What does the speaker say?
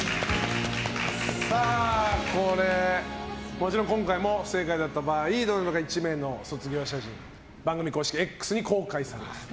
もちろん今回も不正解だった場合どなたか１名の卒アル写真番組公式Ｘに公開されます。